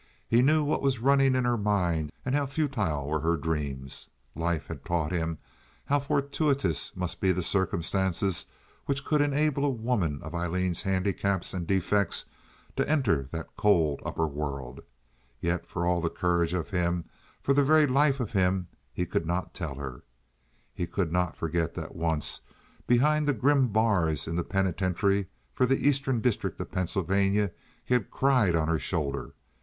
He knew what was running in her mind, and how futile were her dreams. Life had taught him how fortuitous must be the circumstances which could enable a woman of Aileen's handicaps and defects to enter that cold upper world. Yet for all the courage of him, for the very life of him, he could not tell her. He could not forget that once, behind the grim bars in the penitentiary for the Eastern District of Pennsylvania, he had cried on her shoulder.